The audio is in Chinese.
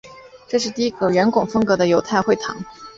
这是第一个圆拱风格的犹太会堂。